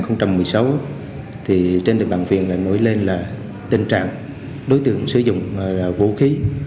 năm hai nghìn một mươi sáu trên địa bàn huyện nổi lên là tình trạng đối tượng sử dụng vũ khí